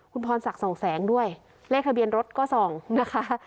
คุณพรศักดิ์สองแสงด้วยเลขทะเบียนรถก็ส่องนะคะ